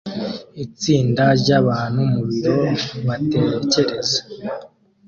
Itsinda ryabantu mubiro batekereza